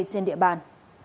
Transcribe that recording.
trên địa bàn